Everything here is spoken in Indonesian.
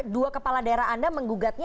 dua kepala daerah anda menggugatnya